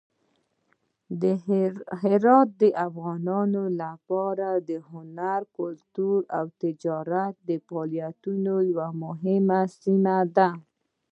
هرات د افغانانو لپاره د هنر، کلتور او تجارتي فعالیتونو یوه مهمه سیمه ده.